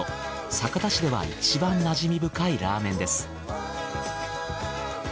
酒田市ではいちばんなじみ深いラーメンです。